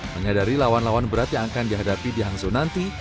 menyadari lawan lawan berat yang akan dihadapi di hangzhou nanti